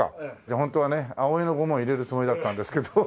ホントはね葵の御紋入れるつもりだったんですけど。